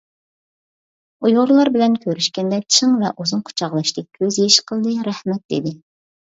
ئۇيغۇرلار بىلەن كۆرۈشكەندە چىڭ ۋە ئۇزۇن قۇچاقلاشتى، كۆز يېشى قىلدى، رەھمەت دېدى .